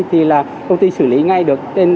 thì là công ty xử lý ngay được